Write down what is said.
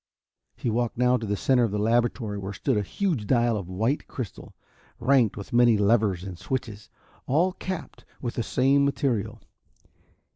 He walked now to the center of the laboratory, where stood a huge dial of white crystal, ranked with many levers and switches, all capped with the same material.